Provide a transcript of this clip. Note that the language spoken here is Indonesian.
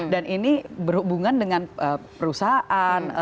dan ini berhubungan dengan perusahaan